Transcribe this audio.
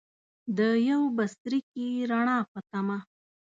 د یو بڅرکي ، رڼا پۀ تمه